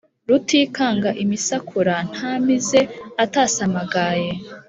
rutikanga imisakura nta mize atasamagaye;